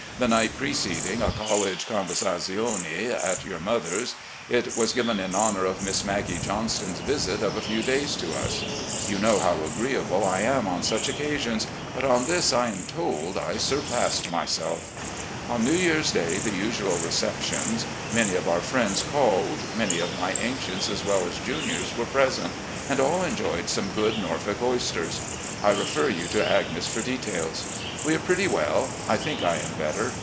The night preceding, a college conversazione at your mother's. It was given in honour of Miss Maggie Johnston's visit of a few days to us. You know how agreeable I am on FAILING HEALTH 381 such occasions, but on this, I am told, I stupassed mysdf. "On New Year's Day the usual receptions. Many of our friends called. Many of my ancients as well as juniors were present, and all enjoyed some good Norfolk oysters. I refer you to Agnes for details. We are pretty well. I think I am better.